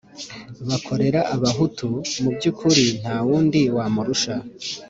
bukorera abahutu. mu byukuri, nta wundi wamurusha